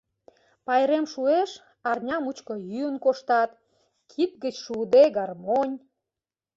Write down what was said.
Пайрем шуэш, арня мучко йӱын коштат, кид гыч шуыде — гармонь.